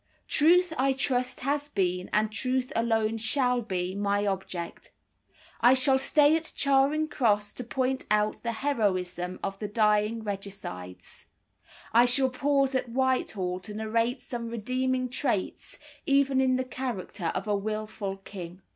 Truth I trust has been, and truth alone shall be, my object. I shall stay at Charing Cross to point out the heroism of the dying regicides; I shall pause at Whitehall to narrate some redeeming traits even in the character of a wilful king.